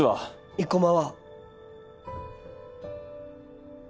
生駒は